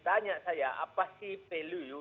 tanya saya apa sih value